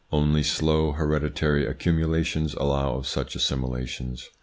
Only slow hereditary accumulations allow of such assimilations.